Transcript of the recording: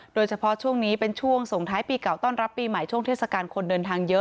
โดยเฉพาะช่วงนี้เป็นช่วงส่งท้ายปีเก่าต้อนรับปีใหม่ช่วงเทศกาลคนเดินทางเยอะ